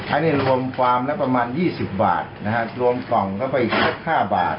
อันนี้รวมความแล้วก็ประมาณยี่สิบบาทนะฮะรวมกล่องก็ไปอีกสักห้าบาท